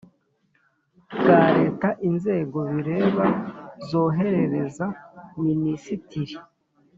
Bwa leta inzego bireba zoherereza minisitiri